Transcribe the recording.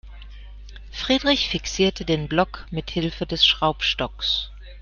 Friedrich fixierte den Block mithilfe des Schraubstocks.